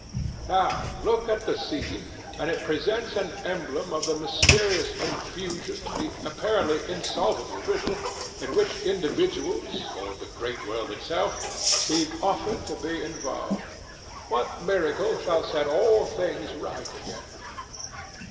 Now look at the scene, and it presents an emblem of the mysterious confusion, the apparently insolvable riddle, in which individuals, or the great world itself, seem often to be involved. What miracle shall set all things right again?